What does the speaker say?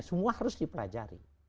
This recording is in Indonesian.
semua harus dipelajari